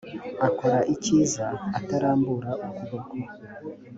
akora icyiza atarambura ukuboko